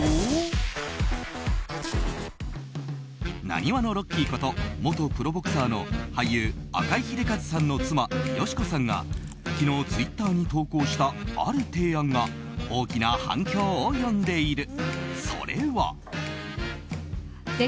浪速のロッキーこと元プロボクサーの俳優赤井英和さんの妻・佳子さんが昨日、ツイッターに投稿したある提案が大きな反響を呼んでいる。